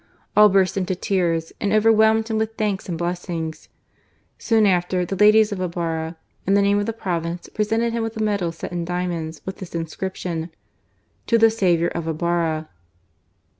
All burst into tears and overwhelmed him with thanks and blessings. Soon after, the ladies of Ibarra, in the name of the province, presented him with a medal set in diamonds with this inscription :" To the saviour of Ibarra."